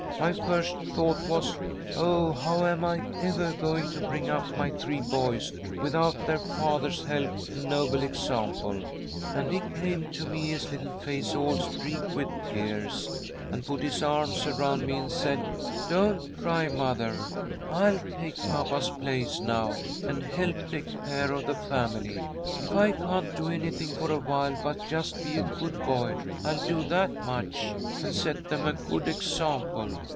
My first thought was, 'Oh, how am I ever going to bring up my three boys without their father's help and noble example!' and he came to me, his little face all streaked with tears, and put his arms around me, and said, 'Don't cry, mother, I'll take papa's place now, and help take care of the family. If I can't do anything for awhile but just be a good boy, I'll do that much, and set them a good example.'